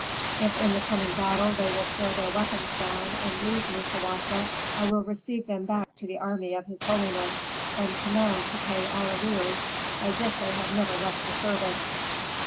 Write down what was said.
If in the coming battle they will throw their weapons down and leave Musawasa, I will receive them back to the army of his holiness, and command to pay all arrears, as if they had never left the service."